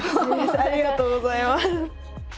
ありがとうございます。